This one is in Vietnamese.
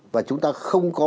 và chúng ta không có